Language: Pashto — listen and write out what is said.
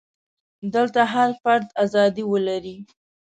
دلته هر فرد ازادي ولري.